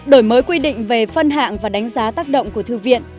đổi mới quy định về phân hạng và đánh giá tác động của thư viện